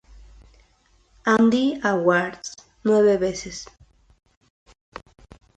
Handy Awards nueve veces.